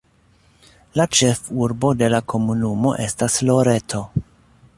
La ĉefurbo de la komunumo estas Loreto.